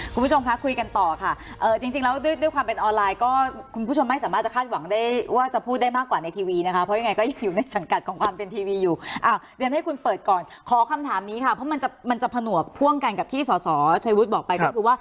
คุณผู้ชมคะคุยกันต่อค่ะจริงแล้วด้วยความเป็นออนไลน์ก็คุณผู้ชมไม่สามารถจะคาดหวังได้ว่าจะพูดได้มากกว่าในทีวีนะคะเพราะยังไงก็ยังอยู่ในสังกัดของความเป็นทีวีอยู่อ่ะเรียนให้คุณเปิดก่อนขอคำถามนี้ค่ะเพราะมันจะมันจะผนวกพ่วงกันกับที่สอสอชัยวุฒิบอกไปก็คือว่า